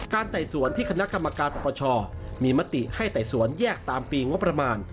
ไต่สวนที่คณะกรรมการปปชมีมติให้ไต่สวนแยกตามปีงบประมาณ